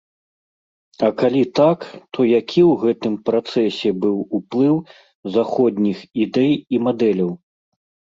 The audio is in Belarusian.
А калі так, то які ў гэтым працэсе быў уплыў заходніх ідэй і мадэляў.